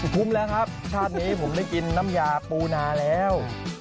แล้วครับชาตินี้ผมได้กินน้ำยาปูนาแล้ว